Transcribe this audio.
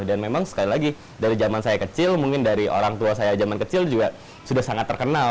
dan memang sekali lagi dari zaman saya kecil mungkin dari orang tua saya zaman kecil juga sudah sangat terkenal